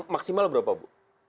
maksimal berapa bu